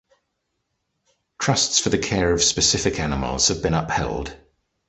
Trusts for the care of specific animals have been upheld.